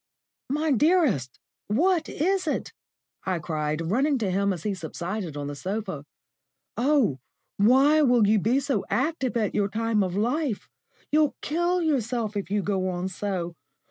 "My dearest, what is it?" I cried, running to him as he subsided on the sofa. "Oh, why will you be so active at your time of life? You'll kill yourself if you go on so.